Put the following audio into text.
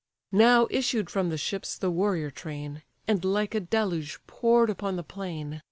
Now issued from the ships the warrior train, And like a deluge pour'd upon the plain.